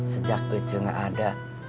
sejak ujungnya ada